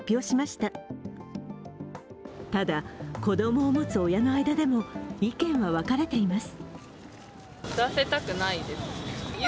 ただ、子供を持つ親の間でも意見は分かれています。